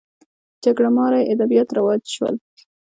جګړه مارۍ ادبیات رواج شول